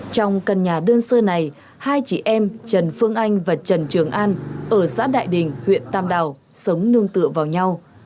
trong căn nhà đơn sơ này hai chị em trần phương anh và trần trường an ở xã đại đình huyện tam đào sống nương tựa vào nhau